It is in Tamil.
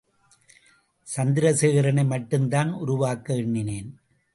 சந்திரசேகரனை மட்டும்தான் உருவாக்க எண்ணினேன்.